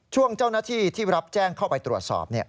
ช่วงเจ้าหน้าที่ที่รับแจ้งเข้าไปตรวจสอบ